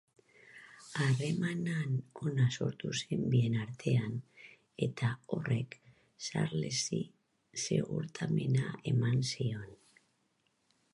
Harreman ona sortu zen bien artean eta horrek Xarlesi segurtamena eman zion.